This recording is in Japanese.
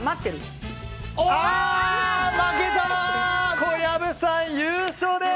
小籔さん、優勝です！